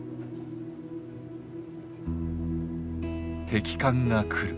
敵艦が来る。